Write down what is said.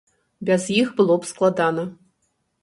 Без іх было б складана.